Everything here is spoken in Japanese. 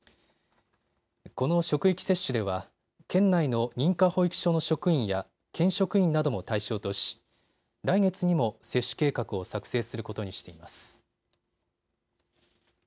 この職域接種では県内の認可保育所の職員や県職員なども対象とし、来月にも接種計画を作成することにしています。